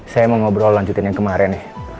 saya mau ngobrol lanjutin yang kemarin nih